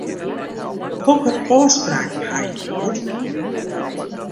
Hokker ôfspraken haw ik hjoed?